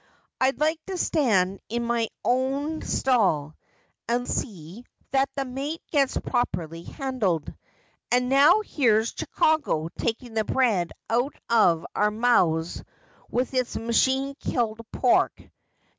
I like to stand in my own Thicker than Water. 359 stall, and see tint the mate gets properly hand led, and now heres Chicago takin' the bread out of our mouths with its machine killed pork.